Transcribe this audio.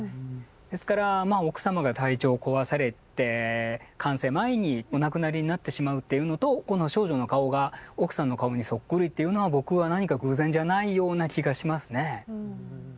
ですから奥様が体調を壊されて完成前にお亡くなりになってしまうっていうのとこの少女の顔が奥さんの顔にそっくりっていうのは僕は何か偶然じゃないような気がしますね。